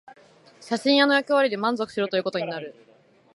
写真屋の役割で満足しろということになる